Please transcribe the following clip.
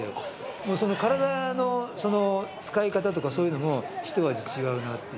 もう体の使い方とかそういうのも一味違うなっていう。